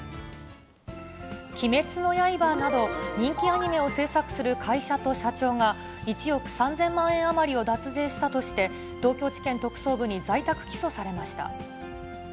鬼滅の刃など、人気アニメを制作する会社と社長が、１億３０００万円余りを脱税したとして、東京地検特捜部に在宅起訴されました。